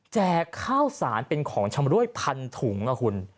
แจกข้าวสารเป็นของชำรวจ๑๐๐๐ถุงนะคุณ